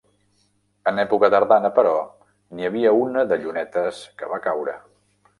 En època tardana, però, n'hi havia una de llunetes que va caure.